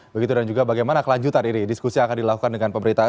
begitu dan juga bagaimana kelanjutan ini diskusi yang akan dilakukan dengan pemerintah